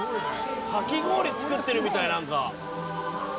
かき氷作ってるみたいなんか。